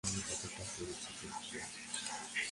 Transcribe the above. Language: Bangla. আমি কতটা পড়িয়াছি দেখিবে?